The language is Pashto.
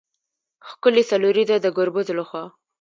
ښکې څلوريزه د ګربز له خوا